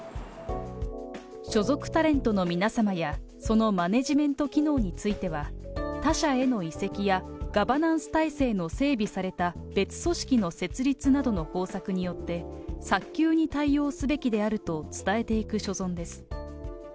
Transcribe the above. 所属タレントの皆様やそのマネジメント機能については他社への移籍やガバナンス体制の整備された別組織の設立などの方策によって、早急に対応すべきであると伝えていく所存です。